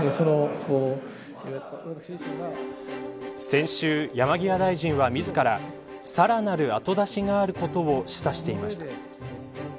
先週、山際大臣は自ら更なる後出しがあることを示唆していました。